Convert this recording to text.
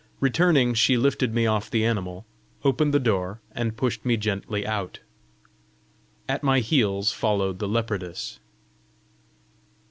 Returning, she lifted me off the animal, opened the door, and pushed me gently out. At my heels followed the leopardess.